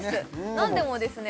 なんでもですね